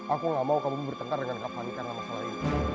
aku gak mau kamu bertengkar dengan kapanikan masalah ini